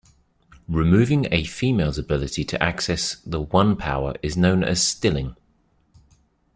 Removing a female's ability to access the One Power is known as "stilling".